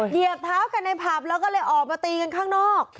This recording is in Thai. เหยียบเท้ากันในผับแล้วก็เลยออกมาตีกันข้างนอก